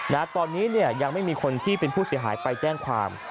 นะตอนนี้เนี่ยยังไม่มีคนที่เป็นผู้เสียหายไปแจ้งความ